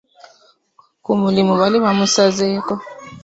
Ku mulimu baali bamusazeeko.